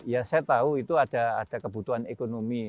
ya saya tahu itu ada kebutuhan ekonomi